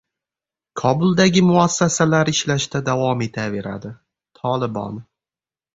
Kobuldagi muassasalar ishlashda davom etaveradi — "Tolibon"